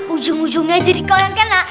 ujung ujungnya jadi kau yang kena